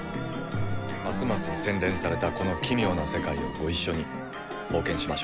ますます洗練されたこの奇妙な世界をご一緒に冒険しましょう。